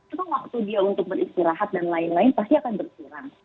cuma waktu dia untuk beristirahat dan lain lain pasti akan berkurang